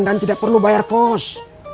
tidak perlu bayar kos